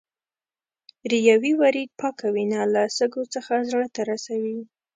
ریوي ورید پاکه وینه له سږو څخه زړه ته رسوي.